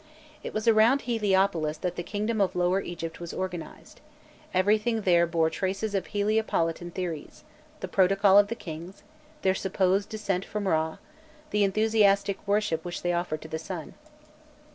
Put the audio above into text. It was around Heliopolis that the kingdom of Lower Egypt was organized; everything there bore traces of Heliopolitan theories the protocol of the kings, their supposed descent from Râ, and the enthusiastic worship which they offered to the sun.